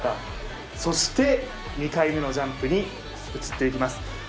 そして２回目のジャンプに移っていきます。